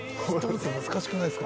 難しくないですか？